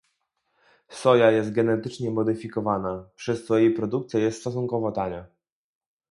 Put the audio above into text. Soja jest genetycznie modyfikowana, przez co jej produkcja jest stosunkowo tania